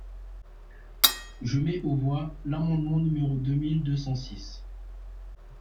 Je mets aux voix l’amendement numéro deux mille deux cent six.